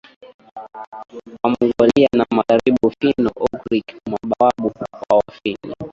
Wamongolia na magharibi Finno Ugric mababu wa Wafini